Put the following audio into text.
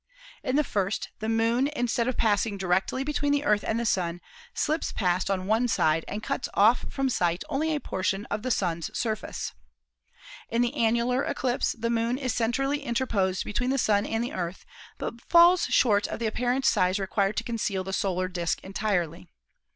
In the first the Moon, instead of passing directly between the Earth and the Sun, slips past on one side and cuts off from sight only a portion of the Sun's surface. In the annular eclipse the Moon is cen trally interposed between the Sun and the Earth, but falls short of the apparent size required to conceal the solar disk entirely.